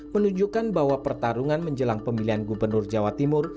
menunjukkan bahwa pertarungan menjelang pemilihan gubernur jawa timur